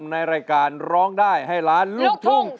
ในรายการร้องได้ให้ล้านลูกทุ่ง